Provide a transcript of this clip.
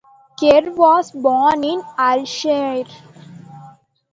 Ker was born in Ayrshire.